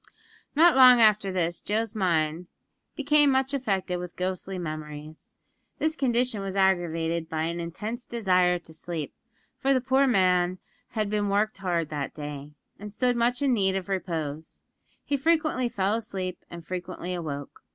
Not long after this, Joe's mind became much affected with ghostly memories. This condition was aggravated by an intense desire to sleep, for the poor man had been hard worked that day, and stood much in need of repose. He frequently fell asleep, and frequently awoke.